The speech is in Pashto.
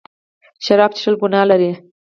شراب څښل ګناه لري.